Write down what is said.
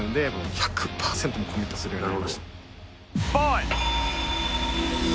１００％コミットするようになりました。